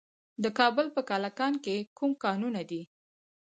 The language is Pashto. د کابل په کلکان کې کوم کانونه دي؟